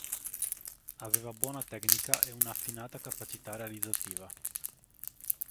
Aveva buona tecnica e una affinata capacità realizzativa.